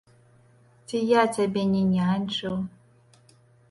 Ці я цябе не няньчыў?